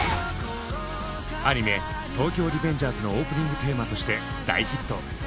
アニメ「東京リベンジャーズ」のオープニングテーマとして大ヒット。